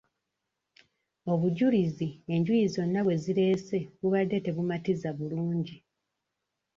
Obujulizi enjuyi zonna bwe zireese bubadde tebumatiza bulungi.